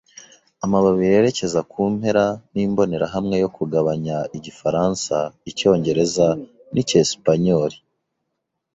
amababi yerekeza kumpera nimbonerahamwe yo kugabanya igifaransa, icyongereza, nicyesipanyoli